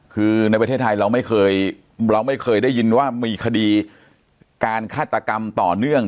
คือในประเทศไทยเราไม่เคยเราไม่เคยได้ยินว่ามีคดีการฆาตกรรมต่อเนื่อง